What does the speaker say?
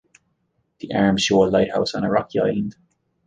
The arms show a lighthouse on a rocky island.